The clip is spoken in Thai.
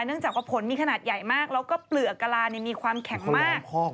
เนื่องจากว่าผลมีขนาดใหญ่มากแล้วก็เปลือกกะลามีความแข็งมาก